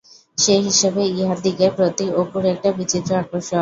সে হিসাবে ইহাদিগের প্রতি অপুর একটা বিচিত্র আকর্ষণ।